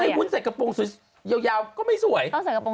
ไอ้วุ้นใส่กระโปรงสวยยาวก็ไม่สวย